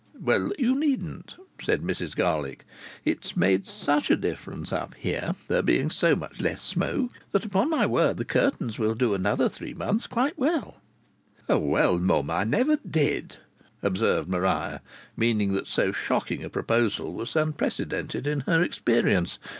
"Well, you needn't," said Mrs Garlick. "It's made such a difference up here, there being so much less smoke, that upon my word the curtains will do another three months quite well!" "Well, mum, I never did!" observed Maria, meaning that so shocking a proposal was unprecedented in her experience.